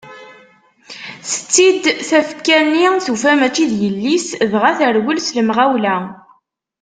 Tetti-d tafekka-nni, tufa mači d yelli-s dɣa terwel s lemɣawla.